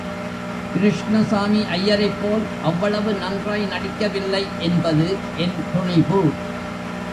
கிருஷ்ணசாமி ஐயரைப் போல் அவ்வளவு நன்றாய் நடிக்கவில்லை என்பது என் துணிபு.